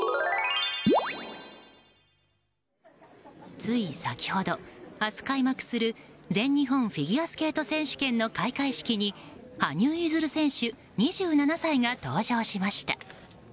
つい先ほど明日開幕する全日本フィギュアスケート選手権の開会式に羽生結弦選手、２７歳が登場しました。